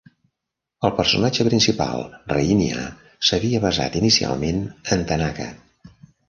El personatge principal, Reinya, s'havia basat inicialment en Tanaka.